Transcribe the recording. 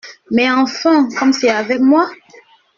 Mais enfin, comme c’est avec moi !…